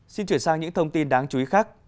xin chuyển sang những thông tin đáng chú ý khác